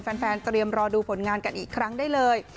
เตรียมรอดูผลงานกันอีกครั้งได้เลย